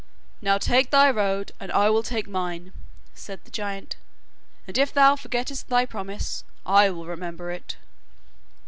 'Now take thy road, and I will take mine,' said the giant. 'And if thou forgettest thy promise, I will remember it.